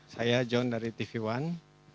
saya john dari tv one